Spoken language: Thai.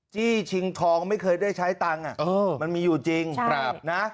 จี้ชิงทองไม่เคยได้ใช้ตังค์มันมีอยู่จริงนะ